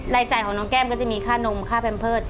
รายจ่ายของน้องแก้มก็จะมีค่านมค่าแพมเพิร์ต